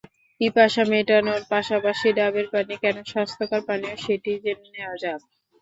পিপাসা মেটানোর পাশাপাশি, ডাবের পানি কেন স্বাস্থ্যকর পানীয়, সেটি জেনে নেওয়া যাক।